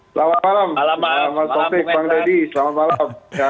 selamat malam bang dedy selamat malam